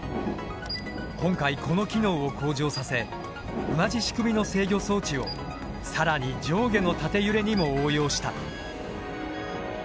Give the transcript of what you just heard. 今回この機能を向上させ同じ仕組みの制御装置を更に上下のタテ揺れにも応用した。